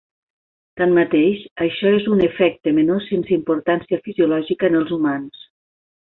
Tanmateix, això és un efecte menor sense importància fisiològica en els humans.